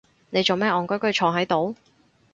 你做乜戇居居坐係度？